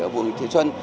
ở vùng thị xuân